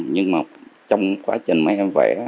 nhưng mà trong quá trình mấy em vẽ